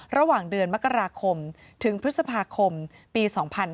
ระหว่างเดือนมกราคมถึงพฤษภาคมปี๒๕๕๙